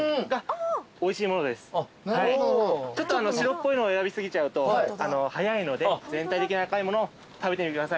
ちょっと白っぽいのを選び過ぎちゃうと早いので全体的に赤いものを食べてみてください。